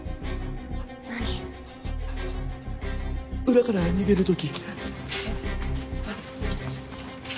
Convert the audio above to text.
裏から逃げる時。